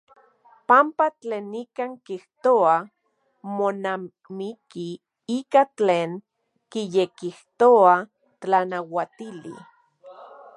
Panpa tlen nikan kijtoa monamiki ika tlen kiyekijtoa tlanauatili.